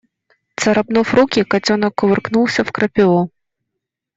Царапнув руки, котенок кувыркнулся в крапиву.